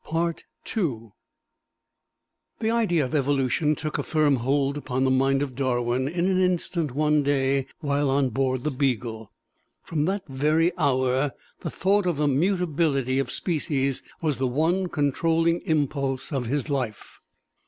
The idea of evolution took a firm hold upon the mind of Darwin, in an instant, one day while on board the "Beagle." From that very hour the thought of the mutability of species was the one controlling impulse of his life.